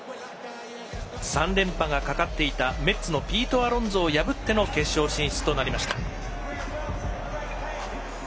３連覇がかかっていたメッツのピート・アロンゾを破っての決勝進出となりました。